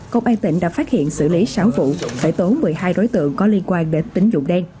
công an tỉnh đã phát hiện xử lý sáu vụ khởi tố một mươi hai đối tượng có liên quan đến tính dụng đen